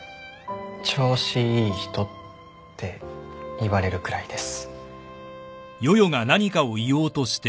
調子いい人って言われるくらいです。